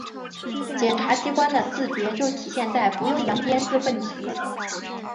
检察机关的自觉就体现在‘不用扬鞭自奋蹄’